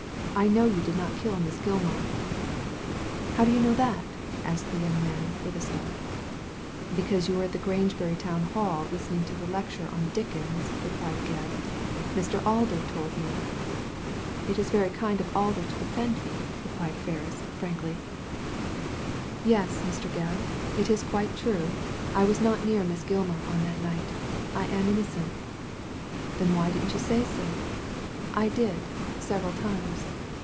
I know you did not kill Miss Gilmar." " How do you know that ?" asked the young man, with a start " Because you were fn the Grangebury Town Hall listening to the lecture on Dickens,*' replied Gebb. •* Mr, Alder told me." " It is very kind of Alder to defend me," replied Digitized by Google i6o THE LADY FROM NOWHERE Ferris, frankly, "Yes, Mn Gebb, it is quite true. I was not near Miss Gilmar on that night I am innocent." " Then why didn't you say so ?"•* I did, several times."